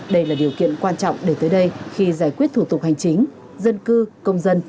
đây là điều kiện quan trọng để tới đây khi giải quyết thủ tục hành chính dân cư công dân